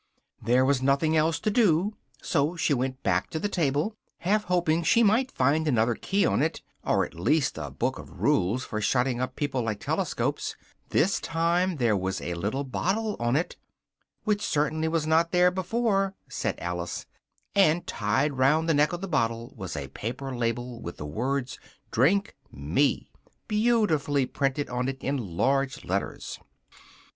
There was nothing else to do, so she went back to the table, half hoping she might find another key on it, or at any rate a book of rules for shutting up people like telescopes: this time there was a little bottle on it "which certainly was not there before" said Alice and tied round the neck of the bottle was a paper label with the words DRINK ME beautifully printed on it in large letters.